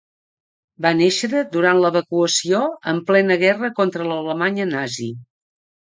Va néixer durant l'evacuació en plena guerra contra l'Alemanya nazi.